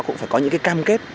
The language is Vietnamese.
cũng phải có những cái cam kết